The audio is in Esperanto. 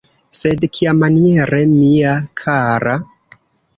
Sed kiamaniere, mia kara?